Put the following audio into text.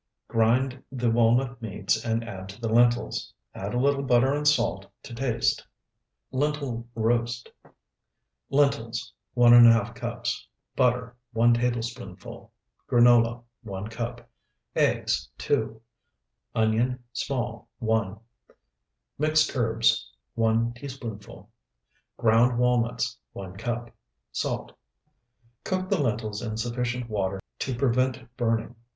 Grind the walnut meats and add to the lentils. Add a little butter and salt to taste. LENTIL ROAST Lentils, 1½ cups. Butter, 1 tablespoonful. Granola, 1 cup. Eggs, 2. Onion, small, 1. Mixed herbs, 1 teaspoonful. Ground walnuts, 1 cup. Salt. Cook the lentils in sufficient water to prevent burning.